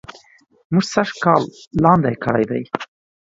مونږ سږ کال لاندي کړي دي